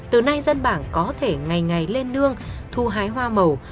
từ nay dân bản có thể ngày ngày lên nương thu hái hoa màu